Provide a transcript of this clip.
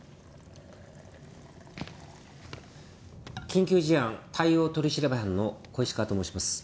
緊急事案対応取調班の小石川と申します。